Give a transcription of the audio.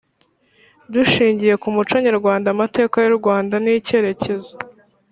Dushingiye ku muco nyarwanda amateka y u rwanda n icyerekezo